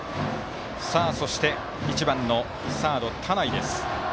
そして１番、サードの田内です。